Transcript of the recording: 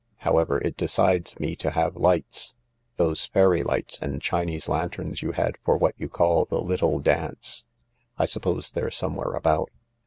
However, it decides me to have lights. Those fairy lights and Chinese lanterns you had for what you called the ' little ' dance— I suppose they're somewhere about.